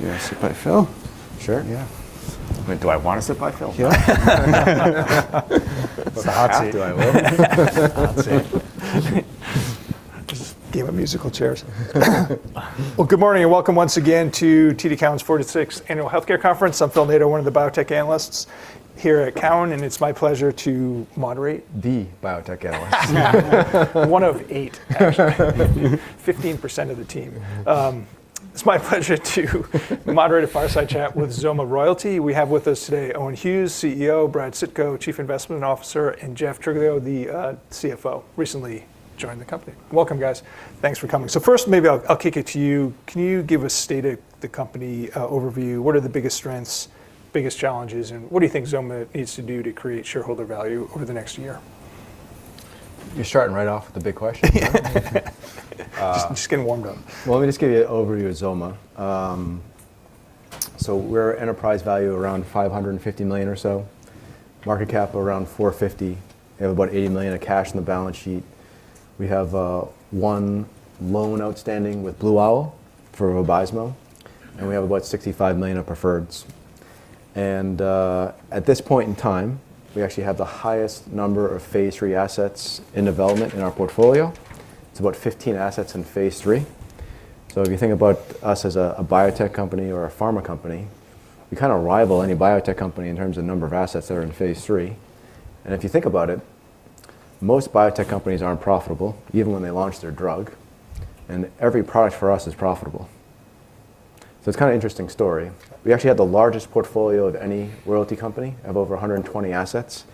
You want to sit by Phil? Sure. Yeah. Do I want to sit by Phil? Yeah. The hot seat. Do I will? Hot seat. Just a game of musical chairs. Well, good morning and welcome once again to TD Cowen's 46th Annual Healthcare Conference. I'm Phil Nadeau, one of the biotech analysts here at Cowen, and it's my pleasure to moderate. The biotech analyst. One of eight, actually. 15% of the team. It's my pleasure to moderate a fireside chat with XOMA Royalty. We have with us today Owen Hughes, CEO, Bradley Sitko, Chief Investment Officer, and Jeffrey Trigilio, the CFO. Recently joined the company. Welcome, guys. Thanks for coming. First, maybe I'll kick it to you. Can you give a state of the company overview? What are the biggest strengths, biggest challenges, and what do you think XOMA needs to do to create shareholder value over the next year? You're starting right off with the big question. Just getting warmed up. Well, let me just give you an overview of XOMA. We're enterprise value around $550 million or so. Market cap around $450 million. We have about $80 million of cash in the balance sheet. We have one loan outstanding with Blue Owl for VABYSMO, and we have about $65 million of preferreds. At this point in time, we actually have the highest number of phase III assets in development in our portfolio. It's about 15 assets in phase III. If you think about us as a biotech company or a pharma company, we kind of rival any biotech company in terms of number of assets that are in phase III. If you think about it, most biotech companies aren't profitable even when they launch their drug, and every product for us is profitable. It's kind of interesting story. We actually have the largest portfolio of any royalty company, of over 120 assets.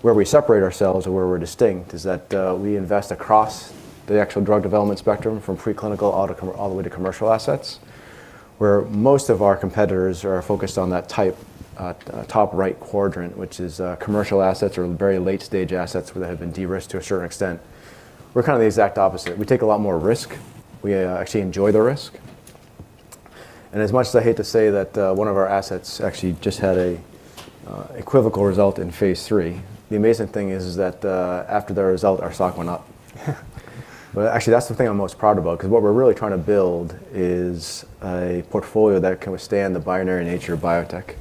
Where we separate ourselves and where we're distinct is that, we invest across the actual drug development spectrum from preclinical all the way to commercial assets, where most of our competitors are focused on that type, top right quadrant, which is, commercial assets or very late-stage assets that have been de-risked to a certain extent. We're kinda the exact opposite. We take a lot more risk. We actually enjoy the risk. As much as I hate to say that, one of our assets actually just had a, equivocal result in phase III, the amazing thing is that, after the result, our stock went up. Actually that's the thing I'm most proud about, 'cause what we're really trying to build is a portfolio that can withstand the binary nature of biotech.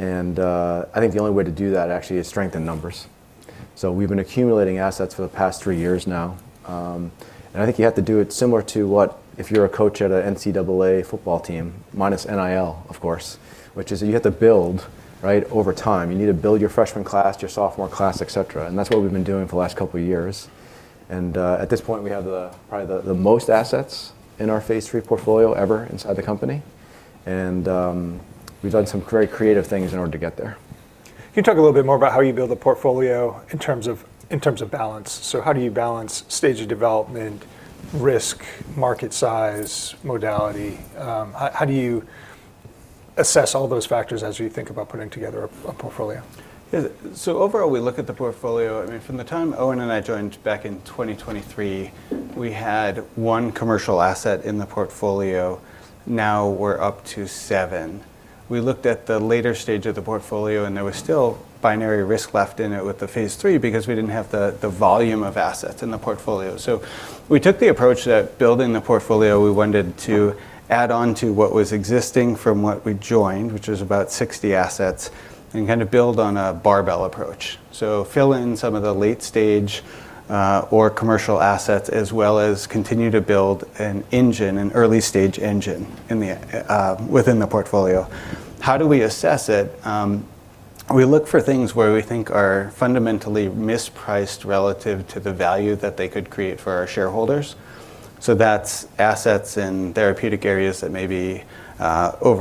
I think the only way to do that actually is strength in numbers. We've been accumulating assets for the past three years now. I think you have to do it similar to what if you're a coach at a NCAA football team, minus NIL, of course, which is you have to build, right, over time. You need to build your freshman class, your sophomore class, et cetera. That's what we've been doing for the last couple years. At this point, we have probably the most assets in our phase III portfolio ever inside the company. We've done some very creative things in order to get there. Can you talk a little bit more about how you build a portfolio in terms of, in terms of balance? How do you balance stage of development, risk, market size, modality? How do you assess all those factors as you think about putting together a portfolio? Yeah. Overall, we look at the portfolio. I mean, from the time Owen and I joined back in 2023, we had one commercial asset in the portfolio. Now we're up to seven. We looked at the later stage of the portfolio, and there was still binary risk left in it with the phase III because we didn't have the volume of assets in the portfolio. We took the approach that building the portfolio, we wanted to add on to what was existing from what we joined, which was about 60 assets, and kind of build on a barbell approach. Fill in some of the late stage or commercial assets as well as continue to build an early stage engine in the within the portfolio. How do we assess it? We look for things where we think are fundamentally mispriced relative to the value that they could create for our shareholders. That's assets in therapeutic areas that may be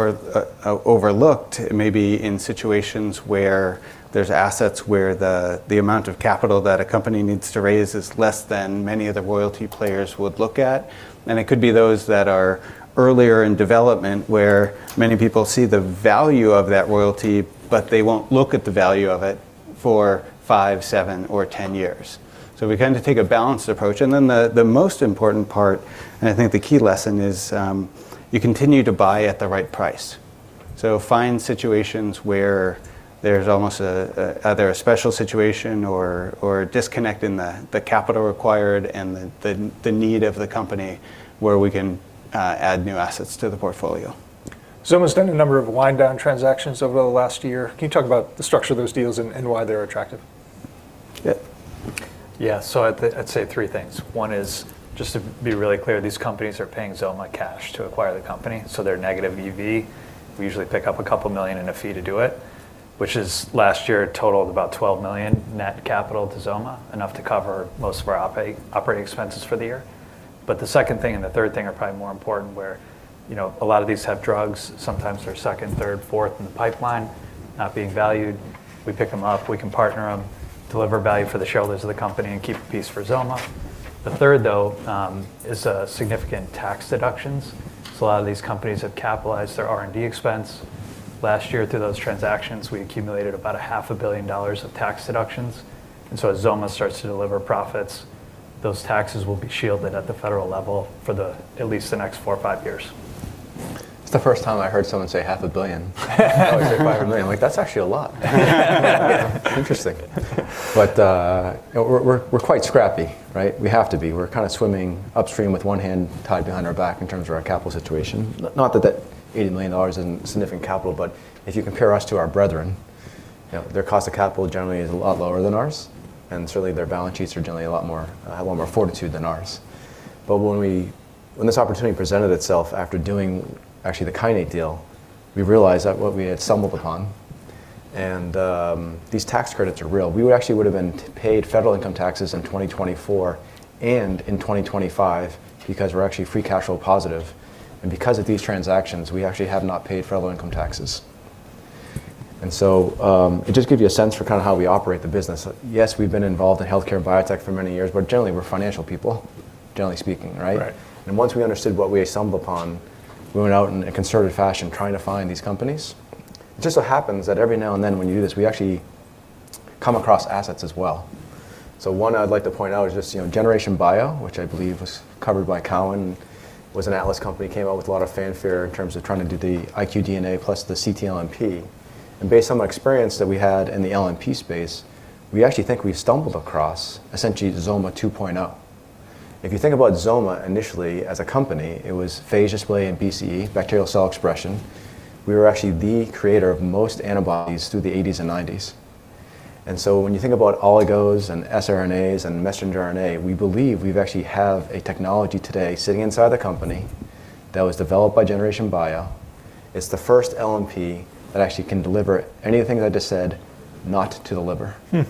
overlooked, maybe in situations where there's assets where the amount of capital that a company needs to raise is less than many of the royalty players would look at. It could be those that are earlier in development where many people see the value of that royalty, but they won't look at the value of it for five, seven, or 10 years. We kind of take a balanced approach. Then the most important part, and I think the key lesson is, you continue to buy at the right price. Find situations where there's almost a either a special situation or a disconnect in the capital required and the need of the company where we can add new assets to the portfolio. XOMA's done a number of wind down transactions over the last year. Can you talk about the structure of those deals and why they're attractive? Yeah. Yeah. I'd say three things. One is, just to be really clear, these companies are paying XOMA cash to acquire the company, so they're negative EV. We usually pick up a couple million and a fee to do it, which is last year totaled about $12 million net capital to XOMA, enough to cover most of our operating expenses for the year. The second thing and the third thing are probably more important where, you know, a lot of these have drugs, sometimes they're second, third, fourth in the pipeline, not being valued. We pick them up, we can partner them, deliver value for the shareholders of the company and keep a piece for XOMA. The third though, is significant tax deductions. A lot of these companies have capitalized their R&D expense. Last year through those transactions, we accumulated about a half a billion dollars of tax deductions. As XOMA starts to deliver profits, those taxes will be shielded at the federal level for at least the next four or five years. It's the first time I heard someone say half a billion. I always say $500 million. Like that's actually a lot. Interesting. We're quite scrappy, right? We have to be. We're kind of swimming upstream with one hand tied behind our back in terms of our capital situation. Not that that $80 million isn't significant capital, but if you compare us to our brethren. You know, their cost of capital generally is a lot lower than ours, and certainly their balance sheets are generally a lot more, have a lot more fortitude than ours. When this opportunity presented itself after doing actually the Kinnate deal, we realized that what we had stumbled upon and these tax credits are real. We actually would have been paid federal income taxes in 2024 and in 2025 because we're actually free cash flow positive and because of these transactions, we actually have not paid federal income taxes. It just gives you a sense for kinda how we operate the business. Yes, we've been involved in healthcare and biotech for many years, but generally, we're financial people, generally speaking, right? Right. Once we understood what we stumbled upon, we went out in a concerted fashion trying to find these companies. It just so happens that every now and then when you do this, we actually come across assets as well. One I'd like to point out is just, you know, Generation Bio, which I believe was covered by Cowen, was an Atlas company, came out with a lot of fanfare in terms of trying to do the iqDNA plus the ctLNP. Based on the experience that we had in the LNP space, we actually think we've stumbled across essentially XOMA 2.0. If you think about XOMA initially as a company, it was phage display and BCE, bacterial cell expression. We were actually the creator of most antibodies through the 1980s and 1990s. When you think about oligos and sRNAs and messenger RNA, we believe we've actually have a technology today sitting inside the company that was developed by Generation Bio. It's the first LNP that actually can deliver anything that I just said not to the liver. Hmm.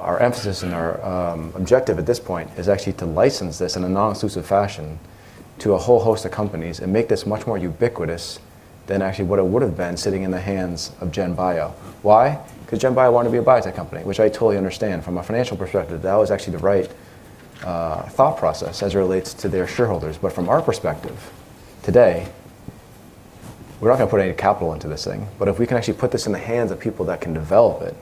Our emphasis and our objective at this point is actually to license this in a non-exclusive fashion to a whole host of companies and make this much more ubiquitous than actually what it would have been sitting in the hands of GenBio. Why? Because GenBio wanted to be a biotech company, which I totally understand. From a financial perspective, that was actually the right thought process as it relates to their shareholders. From our perspective today, we're not gonna put any capital into this thing. If we can actually put this in the hands of people that can develop it,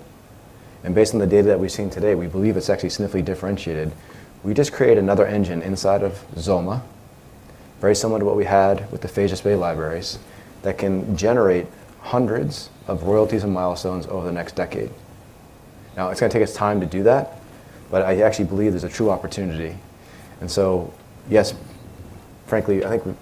and based on the data that we've seen today, we believe it's actually significantly differentiated, we just create another engine inside of XOMA, very similar to what we had with the Phage Display Libraries that can generate hundreds of royalties and milestones over the next decade. It's gonna take us time to do that, but I actually believe there's a true opportunity. Yes, frankly, I think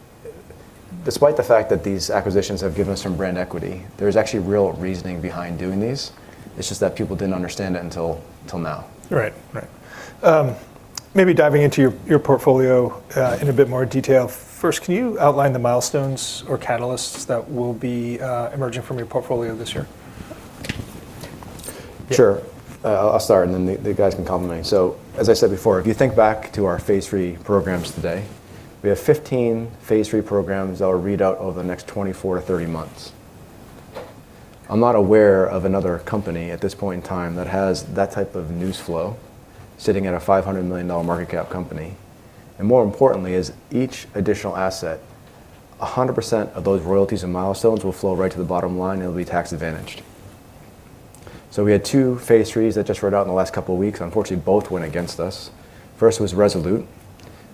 despite the fact that these acquisitions have given us some brand equity, there's actually real reasoning behind doing these. It's just that people didn't understand it until now. Right. Right. Maybe diving into your portfolio in a bit more detail. First, can you outline the milestones or catalysts that will be emerging from your portfolio this year? Sure. I'll start and then the guys can complement. As I said before, if you think back to our phase III programs today, we have 15 phase III programs that will read out over the next 24-30 months. I'm not aware of another company at this point in time that has that type of news flow sitting at a $500 million market cap company. More importantly is each additional asset, 100% of those royalties and milestones will flow right to the bottom line, and it'll be tax advantaged. We had two phase IIIs that just read out in the last couple of weeks. Unfortunately, both went against us. First was Rezolute,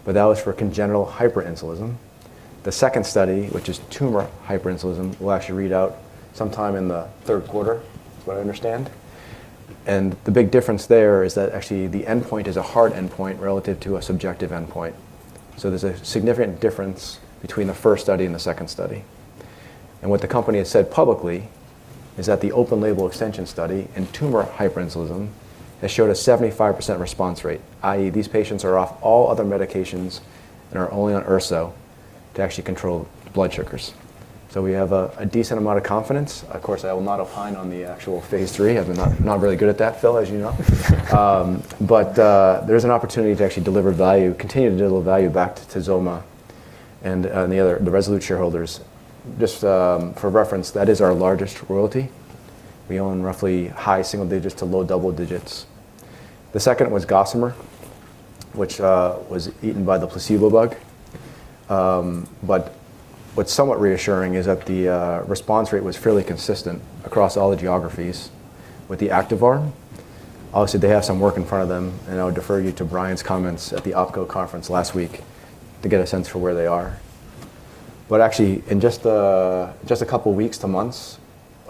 that was for congenital hyperinsulinism. The second study, which is tumor hyperinsulinism, will actually read out sometime in the third quarter, is what I understand. The big difference there is that actually the endpoint is a hard endpoint relative to a subjective endpoint. There's a significant difference between the first study and the second study. What the company has said publicly is that the open label extension study in tumor hyperinsulinism has showed a 75% response rate, i.e., these patients are off all other medications and are only on Urso to actually control blood sugars. We have a decent amount of confidence. Of course, I will not opine on the actual phase III. I'm not really good at that, Phil, as you know. There is an opportunity to actually deliver value, continue to deliver value back to XOMA and the Rezolute shareholders. Just for reference, that is our largest royalty. We own roughly high single digits to low double digits. The second was Gossamer, which was eaten by the placebo bug. What's somewhat reassuring is that the response rate was fairly consistent across all the geographies with the active arm. Obviously, they have some work in front of them, and I would defer you to Brian's comments at the Oppenheimer conference last week to get a sense for where they are. Actually, in just a couple of weeks to months,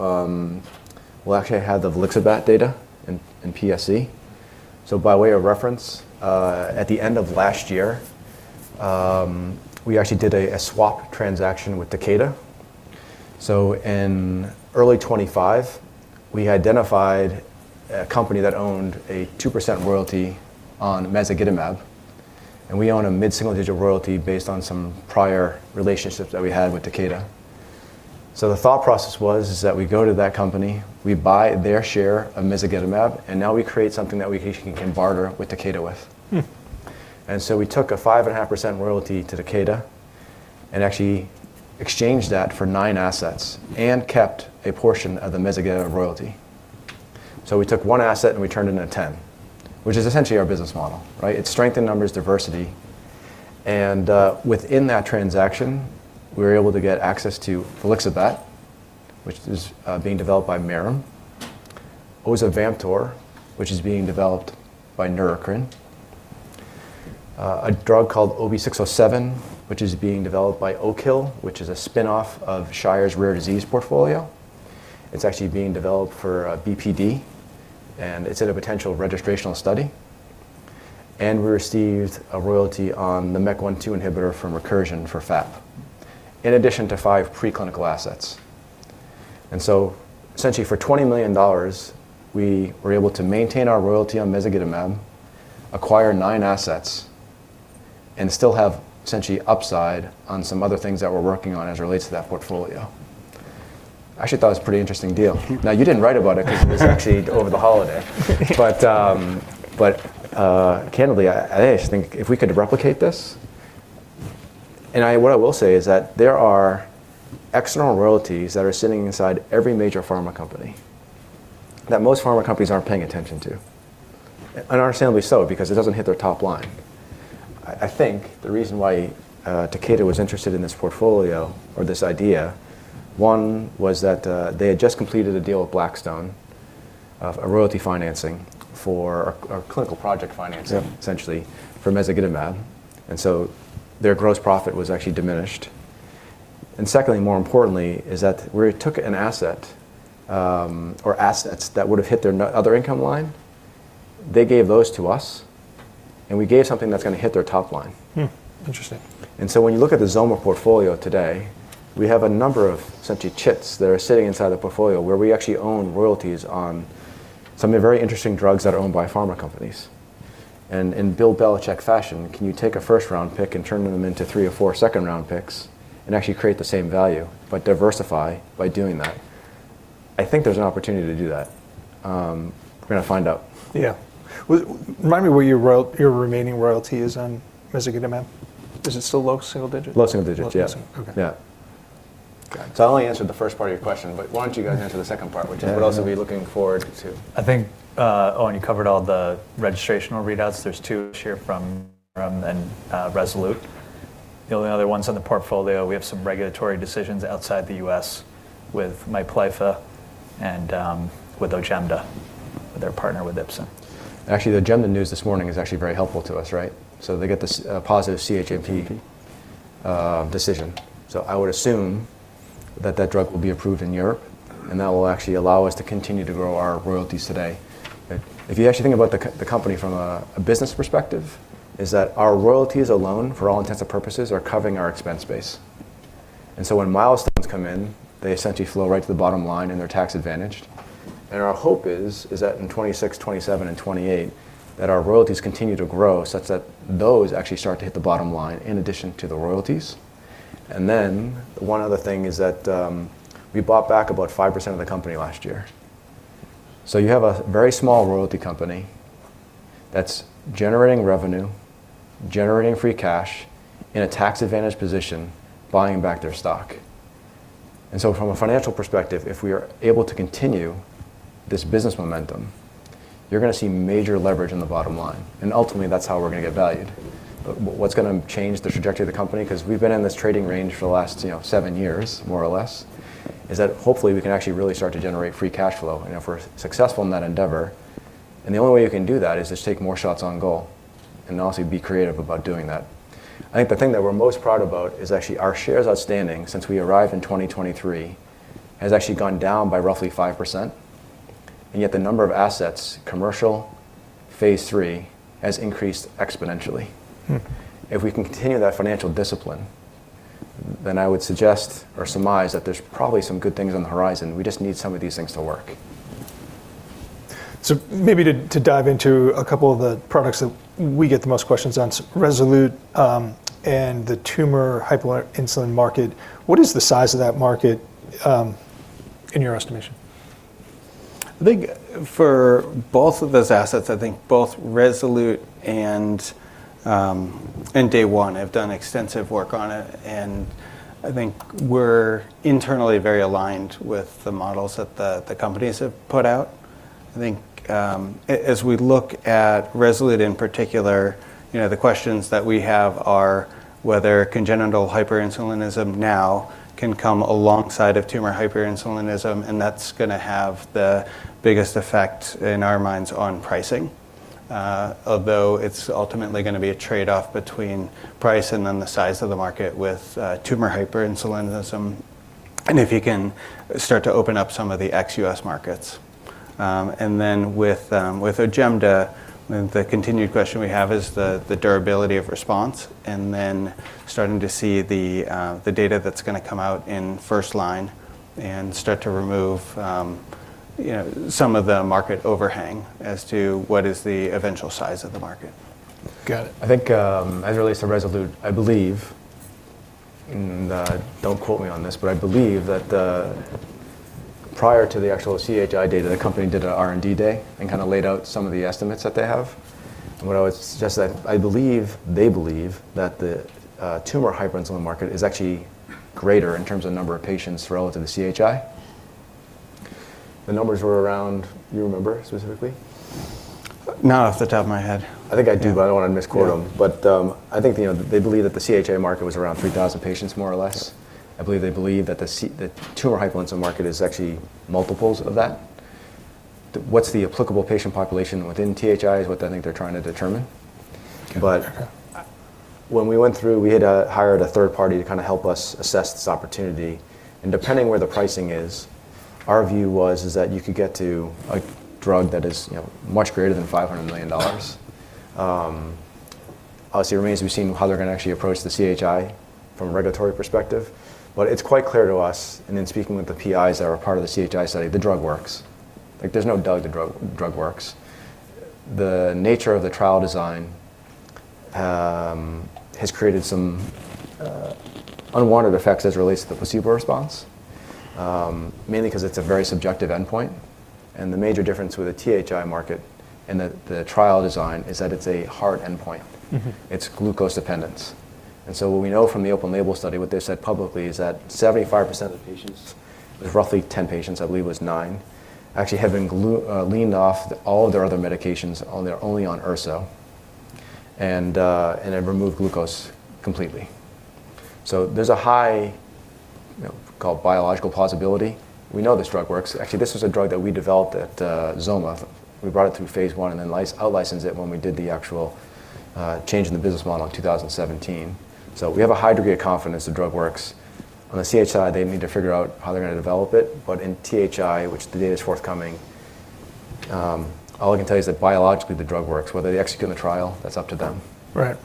we'll actually have the Velixabat data in PSC. By way of reference, at the end of last year, we actually did a swap transaction with Takeda. In early 25, we identified a company that owned a 2% royalty on mezagitamab, and we own a mid-single digit royalty based on some prior relationships that we had with Takeda. The thought process was is that we go to that company, we buy their share of mezagitamab, and now we create something that we can barter with Takeda with. Hmm. We took a 5.5% royalty to Takeda and actually exchanged that for nine assets and kept a portion of the mezagitamab royalty. we took one asset and we turned it into 10, which is essentially our business model, right? It's strength in numbers, diversity. within that transaction, we were able to get access to Velixabat, which is being developed by Mirum. osavampator, which is being developed by Neurocrine. a drug called OHB-607, which is being developed by Oak Hill, which is a spinoff of Shire's rare disease portfolio. It's actually being developed for BPD, and it's in a potential registrational study. we received a royalty on the MEK1/2 inhibitor from Recursion for FAP, in addition to five preclinical assets. Essentially for $20 million, we were able to maintain our royalty on mezagitamab, acquire nine assets, and still have essentially upside on some other things that we're working on as it relates to that portfolio. I actually thought it was a pretty interesting deal. You didn't write about it because it was actually over the holiday. Candidly, I actually think if we could replicate this. What I will say is that there are external royalties that are sitting inside every major pharma company that most pharma companies aren't paying attention to, and understandably so, because it doesn't hit their top line. I think the reason why Takeda was interested in this portfolio or this idea, one was that they had just completed a deal with Blackstone of a royalty financing for or clinical project financing. Yeah Essentially for mezagitamab, their gross profit was actually diminished. Secondly, more importantly is that we took an asset, or assets that would have hit their other income line, they gave those to us, and we gave something that's gonna hit their top line. Hmm. Interesting. When you look at the XOMA portfolio today, we have a number of essentially chits that are sitting inside the portfolio where we actually own royalties on some of the very interesting drugs that are owned by pharma companies. In Bill Belichick fashion, can you take a first-round pick and turn them into three or four second-round picks and actually create the same value, but diversify by doing that? I think there's an opportunity to do that. We're gonna find out. Yeah. Remind me where your remaining royalty is on mezagitamab. Is it still low single digits? Low single digits. Yeah. Low single. Okay. Yeah. Got it. I only answered the first part of your question, but why don't you guys answer the second part, which is what else are we looking forward to? I think, Oh, you covered all the registrational readouts. There's two this year from Rezolute. The only other ones on the portfolio, we have some regulatory decisions outside the U.S. with MIPLYFFA and with OJEMDA, their partner with Ipsen. Actually, the ONIVYDE news this morning is actually very helpful to us, right? They get this positive CHMP. CHMP Decision. I would assume that that drug will be approved in Europe, and that will actually allow us to continue to grow our royalties today. If you actually think about the company from a business perspective, is that our royalties alone, for all intents and purposes, are covering our expense base. When milestones come in, they essentially flow right to the bottom line and they're tax-advantaged. Our hope is that in 2026, 2027, and 2028, that our royalties continue to grow such that those actually start to hit the bottom line in addition to the royalties. One other thing is that we bought back about 5% of the company last year. You have a very small royalty company that's generating revenue, generating free cash in a tax-advantaged position, buying back their stock. From a financial perspective, if we are able to continue this business momentum, you're gonna see major leverage in the bottom line, and ultimately, that's how we're gonna get valued. What's gonna change the trajectory of the company, 'cause we've been in this trading range for the last, you know, seven years, more or less, is that hopefully we can actually really start to generate free cash flow, you know, if we're successful in that endeavor. The only way you can do that is just take more shots on goal and also be creative about doing that. I think the thing that we're most proud about is actually our shares outstanding since we arrived in 2023 has actually gone down by roughly 5%, and yet the number of assets, commercial, phase III, has increased exponentially. Hmm. If we can continue that financial discipline, then I would suggest or surmise that there's probably some good things on the horizon. We just need some of these things to work. Maybe to dive into a couple of the products that we get the most questions on, Rezolute, and the tumor hyperinsulinism market. What is the size of that market in your estimation? I think for both of those assets, I think both Rezolute, Inc. and Day One Biopharmaceuticals have done extensive work on it, and I think we're internally very aligned with the models that the companies have put out. I think as we look at Rezolute, Inc. in particular, you know, the questions that we have are whether congenital hyperinsulinism now can come alongside of tumor hyperinsulinism, and that's gonna have the biggest effect in our minds on pricing, although it's ultimately gonna be a trade-off between price and then the size of the market with tumor hyperinsulinism, and if you can start to open up some of the ex-US markets. With OJEMDA, the continued question we have is the durability of response and then starting to see the data that's gonna come out in first line and start to remove, you know, some of the market overhang as to what is the eventual size of the market. Got it. I think, as it relates to Rezolute, I believe, don't quote me on this, but I believe that prior to the actual CHI data, the company did an R&D day and kinda laid out some of the estimates that they have. What I would suggest that I believe they believe that the tumor hyperinsulinism market is actually greater in terms of number of patients relative to CHI. Do you remember specifically? Not off the top of my head. I think I do, but I don't wanna misquote them. Yeah. I think, you know, they believe that the CHI market was around 3,000 patients, more or less. I believe they believe that the tumor hyperinsulin market is actually multiples of that. What's the applicable patient population within THI is what I think they're trying to determine. Okay. When we went through, we had hired a third party to kind of help us assess this opportunity. Depending where the pricing is, our view was is that you could get to a drug that is, you know, much greater than $500 million. Obviously, it remains to be seen how they're going to actually approach the CHI from a regulatory perspective, but it's quite clear to us, and in speaking with the PIs that are part of the CHI study, the drug works. Like, there's no doubt the drug works. The nature of the trial design has created some unwanted effects as it relates to the placebo response, mainly because it's a very subjective endpoint. The major difference with a THI market and the trial design is that it's a hard endpoint. Mm-hmm. It's glucose dependence. What we know from the open label study, what they said publicly, is that 75% of the patients, it was roughly 10 patients, I believe it was nine, actually have been weaned off all of their other medications. They're only on Urso, and have removed glucose completely. There's a high, you know, we call it biological plausibility. We know this drug works. Actually, this was a drug that we developed at XOMA. We brought it through phase I and then outlicensed it when we did the actual change in the business model in 2017. We have a high degree of confidence the drug works. On the CHI, they need to figure out how they're gonna develop it. In THI, which the data's forthcoming, all I can tell you is that biologically the drug works. Whether they execute on the trial, that's up to them. Right.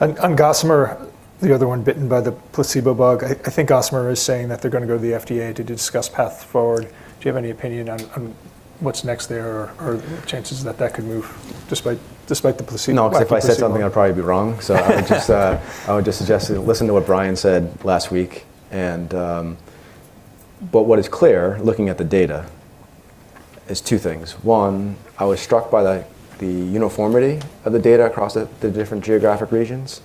On Gossamer, the other one bitten by the placebo bug, I think Gossamer is saying that they're gonna go to the FDA to discuss path forward. Do you have any opinion on what's next there or chances that that could move despite the placebo? No, I feel if I said something I'd probably be wrong. I would just suggest to listen to what Brian said last week. What is clear, looking at the data, is two things. One, I was struck by the uniformity of the data across the different geographic regions.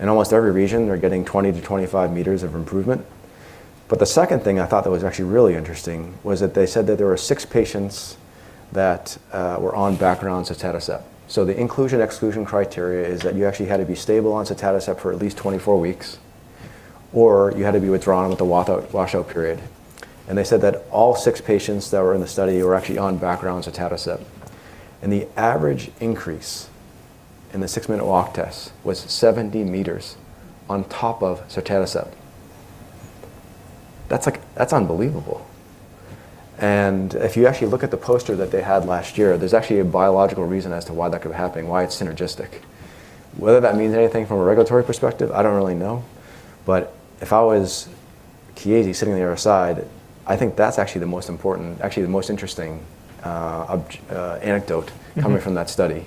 In almost every region, they're getting 20-25 meters of improvement. The second thing I thought that was actually really interesting was that they said that there were six patients that were on background sotatercept. The inclusion/exclusion criteria is that you actually had to be stable on sotatercept for at least 24 weeks, or you had to be withdrawn with a washout period. They said that all six patients that were in the study were actually on background sotatercept, and the average increase in the Six-Minute Walk Test was 70 meters on top of sotatercept. That's unbelievable. If you actually look at the poster that they had last year, there's actually a biological reason as to why that could be happening, why it's synergistic. Whether that means anything from a regulatory perspective, I don't really know. If I was Chiesi sitting on the other side, I think that's actually the most important, actually the most interesting, anecdote... Mm-hmm Coming from that study,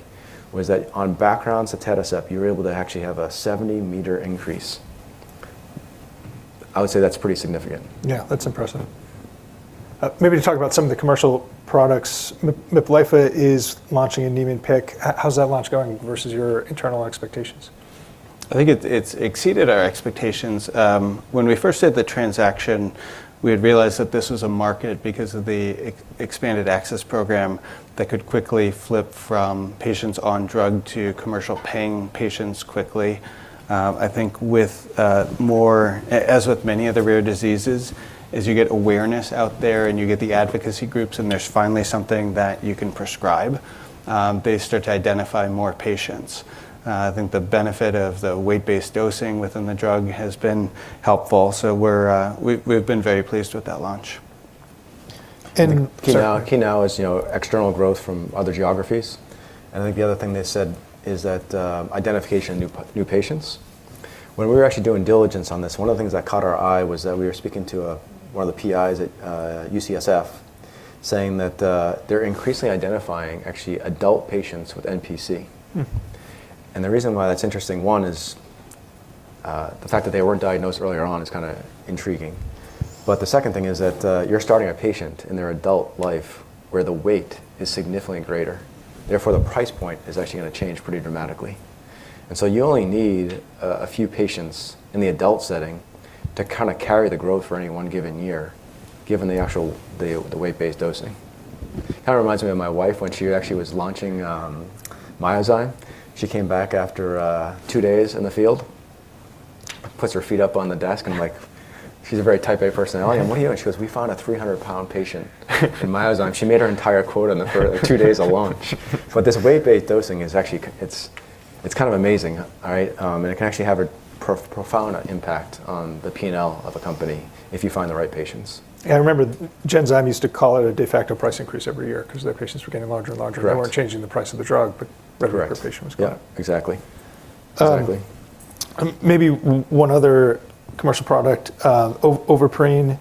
was that on background sotatercept you're able to actually have a 70-meter increase. I would say that's pretty significant. Yeah. That's impressive. Maybe to talk about some of the commercial products. MIPLYFFA is launching in Niemann-Pick. How's that launch going versus your internal expectations? I think it's exceeded our expectations. When we first did the transaction, we had realized that this was a market because of the expanded access program that could quickly flip from patients on drug to commercial paying patients quickly. I think with more as with many of the rare diseases, as you get awareness out there and you get the advocacy groups and there's finally something that you can prescribe, they start to identify more patients. I think the benefit of the weight-based dosing within the drug has been helpful. We're we've been very pleased with that launch. Sorry. Key now is, you know, external growth from other geographies. I think the other thing they said is that identification of new patients. When we were actually doing diligence on this, one of the things that caught our eye was that we were speaking to a, one of the PIs at UCSF saying that they're increasingly identifying actually adult patients with NPC. Hmm. The reason why that's interesting, one is, the fact that they weren't diagnosed earlier on is kind of intriguing, the second thing is that, you're starting a patient in their adult life where the weight is significantly greater, therefore the price point is actually going to change pretty dramatically. You only need a few patients in the adult setting to kind of carry the growth for any one given year, given the actual weight-based dosing. Kind of reminds me of my wife when she actually was launching Myozyme. She came back after two days in the field, puts her feet up on the desk, I'm like, she's a very Type A person. I'm like, "What are you doing?" She goes, "We found a 300 pound patient for Myozyme." She made her entire quota in the two days of launch. This weight-based dosing is actually it's kind of amazing, all right? It can actually have a profound impact on the P&L of a company if you find the right patients. Yeah, I remember Genzyme used to call it a de facto price increase every year because their patients were getting larger and larger. Correct. They weren't changing the price of the drug. Correct Revenue per patient was going up. Yeah, exactly. Exactly. Maybe one other commercial product. Ovaprene,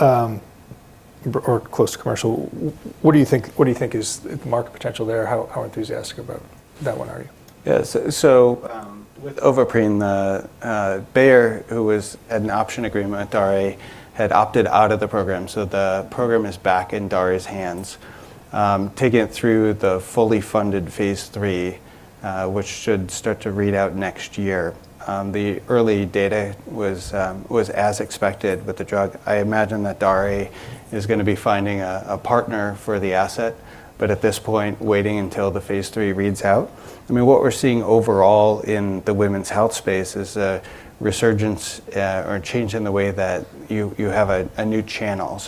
or close to commercial. What do you think is the market potential there? How enthusiastic about that one are you? Yeah. So, with Ovaprene, Bayer, who was at an option agreement, Darè, had opted out of the program, so the program is back in Darè's hands. Taking it through the fully funded phase III, which should start to read out next year. The early data was as expected with the drug. I imagine that Darè is gonna be finding a partner for the asset, but at this point, waiting until the phase III reads out. I mean, what we're seeing overall in the women's health space is a resurgence, or change in the way that you have a new channel.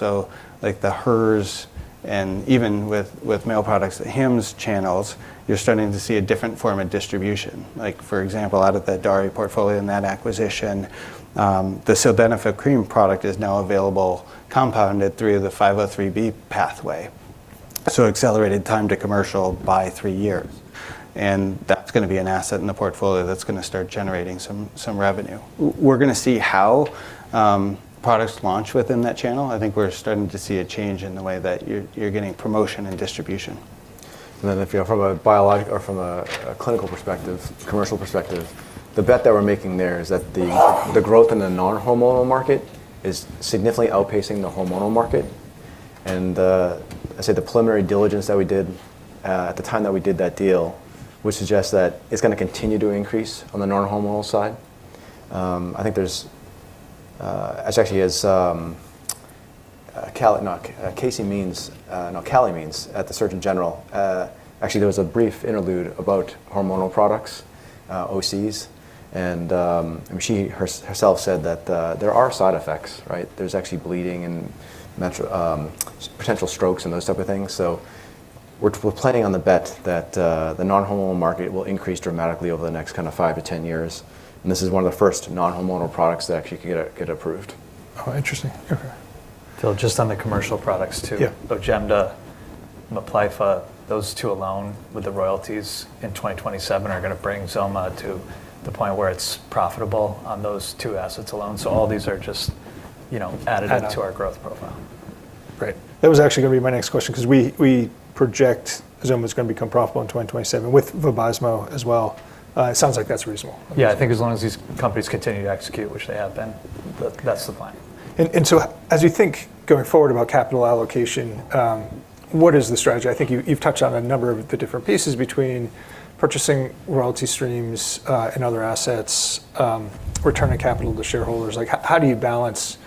Like the Hers, even with male products, Hims channels, you're starting to see a different form of distribution. Like, for example, out of that Daré portfolio and that acquisition, the Sildenafil cream product is now available compounded through the 503B pathway, so accelerated time to commercial by three years. That's gonna be an asset in the portfolio that's gonna start generating some revenue. We're gonna see how products launch within that channel. I think we're starting to see a change in the way that you're getting promotion and distribution. If you're from a biologic or from a clinical perspective, commercial perspective, the bet that we're making there is that the growth in the non-hormonal market is significantly outpacing the hormonal market, and I'd say the preliminary diligence that we did at the time that we did that deal would suggest that it's gonna continue to increase on the non-hormonal side. I think there's actually as Calley Means, no Calley Means at the surgeon general, actually there was a brief interlude about hormonal products, OCs. I mean, she herself said that there are side effects, right? There's actually bleeding and potential strokes and those type of things. We're, we're planning on the bet that the non-hormonal market will increase dramatically over the next kinda five to 10 years. This is one of the first non-hormonal products that actually could get approved. Oh, interesting. Okay. Phil, just on the commercial products too. Yeah. OJEMDA, MIPLYFFA, those two alone with the royalties in 2027 are gonna bring XOMA to the point where it's profitable on those two assets alone. All these are just, you know, Added To our growth profile. Great. That was actually gonna be my next question 'cause we project XOMA's gonna become profitable in 2027 with VABYSMO as well. It sounds like that's reasonable. Yeah, I think as long as these companies continue to execute, which they have been, that's the plan. As you think going forward about capital allocation, what is the strategy? I think you've touched on a number of the different pieces between purchasing royalty streams and other assets, returning capital to shareholders. Like, how do you balance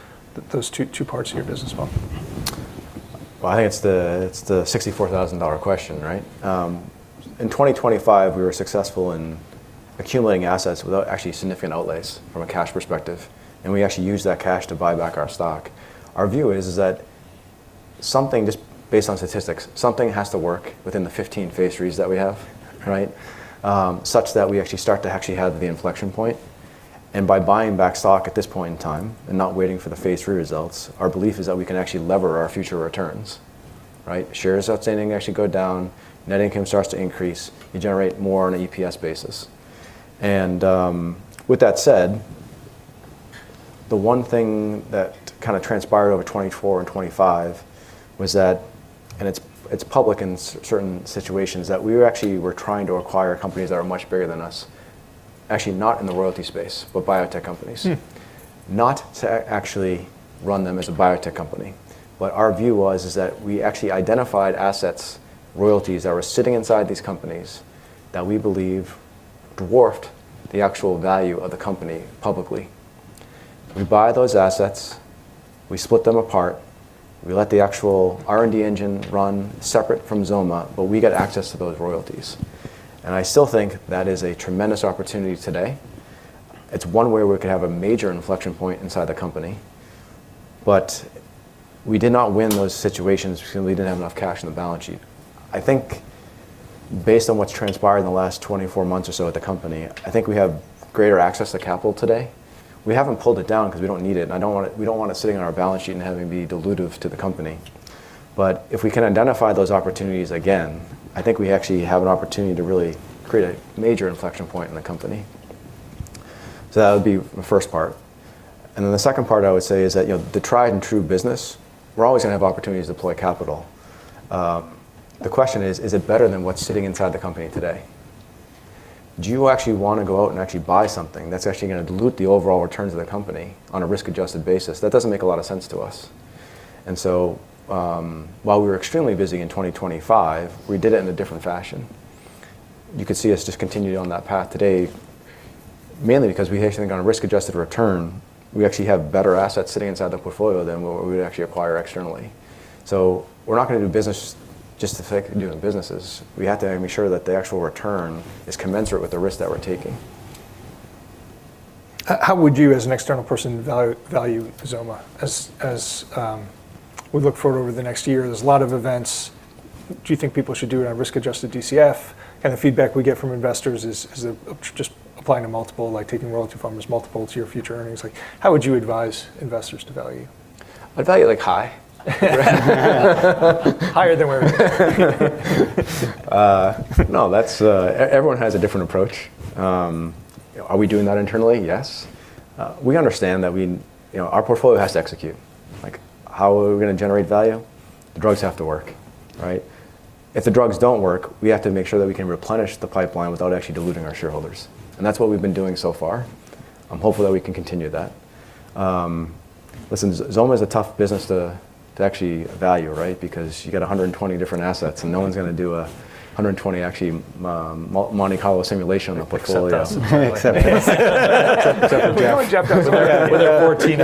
those two parts of your business model? Well, I think it's the $64,000 question, right? In 2025, we were successful in accumulating assets without actually significant outlays from a cash perspective, and we actually used that cash to buy back our stock. Our view is that something just based on statistics, something has to work within the 15 phase 3s that we have, right, such that we actually start to actually have the inflection point. By buying back stock at this point in time and not waiting for the phase 3 results, our belief is that we can actually lever our future returns, right? Shares outstanding actually go down, net income starts to increase, you generate more on an an EPS basis. With that said, the one thing that kinda transpired over 2024 and 2025 was that, it's public in certain situations, that we actually were trying to acquire companies that are much bigger than us, actually not in the royalty space, but biotech companies. Hmm. Not to actually run them as a biotech company. What our view was is that we actually identified assets, royalties that were sitting inside these companies that we believe dwarfed the actual value of the company publicly. If we buy those assets, we split them apart, we let the actual R&D engine run separate from XOMA, but we get access to those royalties. I still think that is a tremendous opportunity today. It's one way where we could have a major inflection point inside the company. We did not win those situations because we didn't have enough cash in the balance sheet. I think based on what's transpired in the last 24 months or so at the company, I think we have greater access to capital today. We haven't pulled it down 'cause we don't need it, and we don't want it sitting on our balance sheet and having it be dilutive to the company. If we can identify those opportunities again, I think we actually have an opportunity to really create a major inflection point in the company. That would be the first part. The second part I would say is that, you know, the tried and true business, we're always gonna have opportunities to deploy capital. The question is it better than what's sitting inside the company today? Do you actually wanna go out and actually buy something that's actually gonna dilute the overall returns of the company on a risk-adjusted basis? That doesn't make a lot of sense to us. While we were extremely busy in 2025, we did it in a different fashion. You could see us just continuing on that path today, mainly because we actually think on a risk-adjusted return, we actually have better assets sitting inside the portfolio than we would actually acquire externally. We're not gonna do business just the sake of doing businesses. We have to make sure that the actual return is commensurate with the risk that we're taking. How would you as an external person value XOMA as we look forward over the next year? There's a lot of events. Do you think people should do a risk-adjusted DCF? Kind of feedback we get from investors is just applying a multiple, like taking royalty from as multiples to your future earnings. Like, how would you advise investors to value? I value, like, high. Higher than where we are. No, that's everyone has a different approach. Are we doing that internally? Yes. We understand that you know, our portfolio has to execute. Like, how are we gonna generate value? The drugs have to work, right? If the drugs don't work, we have to make sure that we can replenish the pipeline without actually diluting our shareholders, and that's what we've been doing so far. I'm hopeful that we can continue that. Listen, XOMA is a tough business to actually value, right? Because you got 120 different assets, and no one's gonna do 120 actually, Monte Carlo simulation on the portfolio. Except us. Except us. Except for Jeff. We know Jeff does it every day. Yeah. With our 14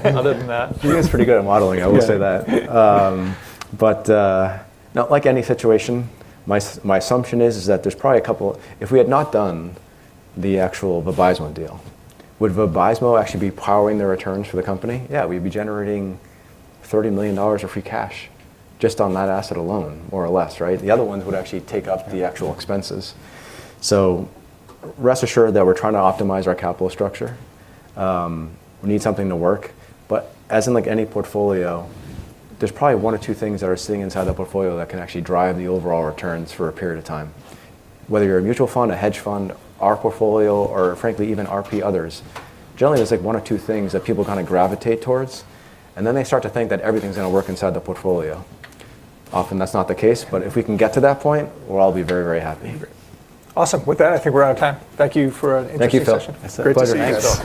FTs. Other than that. He is pretty good at modeling, I will say that. you know, like any situation, my assumption is that there's probably a couple. If we had not done the actual VABYSMO deal, would VABYSMO actually be powering the returns for the company? Yeah, we'd be generating $30 million of free cash just on that asset alone, more or less, right? The other ones would actually take up the actual expenses. Rest assured that we're trying to optimize our capital structure. We need something to work. As in, like, any portfolio, there's probably one or two things that are sitting inside that portfolio that can actually drive the overall returns for a period of time. Whether you're a mutual fund, a hedge fund, our portfolio, or frankly, even RP others, generally, there's like one or two things that people kinda gravitate towards, and then they start to think that everything's gonna work inside the portfolio. Often that's not the case, but if we can get to that point, we'll all be very, very happy. Awesome. With that, I think we're out of time. Thank you for an interesting session. Thank you, Phil. It's a pleasure. Great to see you guys.